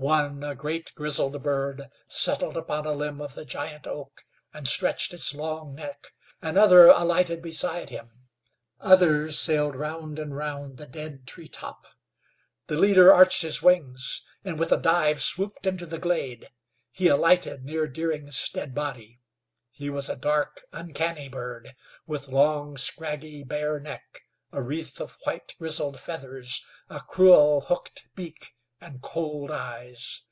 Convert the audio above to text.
One, a great grizzled bird, settled upon a limb of the giant oak, and stretched its long neck. Another alighted beside him. Others sailed round and round the dead tree top. The leader arched his wings, and with a dive swooped into the glade. He alighted near Deering's dead body. He was a dark, uncanny bird, with long, scraggy, bare neck, a wreath of white, grizzled feathers, a cruel, hooked beak, and cold eyes.